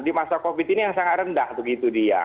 di masa covid ini yang sangat rendah begitu dia